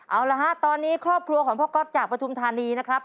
เอาละฮะตอนนี้ครอบครัวของพ่อก๊อฟจากปฐุมธานีนะครับ